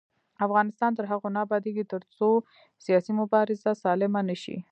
افغانستان تر هغو نه ابادیږي، ترڅو سیاسي مبارزه سالمه نشي.